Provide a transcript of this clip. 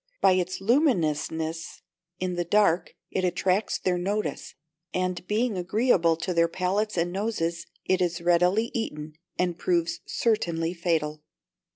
By its luminousness in the dark, it attracts their notice, and being agreeable to their palates and noses, it is readily eaten, and proves certainly fatal.